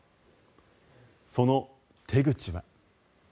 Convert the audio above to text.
その手口は。